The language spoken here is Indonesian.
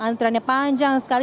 antriannya panjang sekali